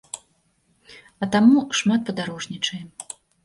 А таму шмат падарожнічаем.